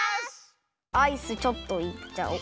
アイスちょっといっちゃお。